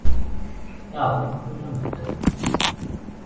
Iɛḍem-it wayla n medden.